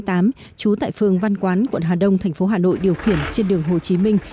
trú tại phường văn quán quận hà đông tp hà nội điều khiển trên đường hồ chí minh